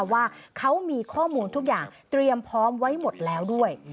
ว่าเขามีข้อมูลทุกอย่างเตรียมพร้อมไว้หมดแล้วด้วย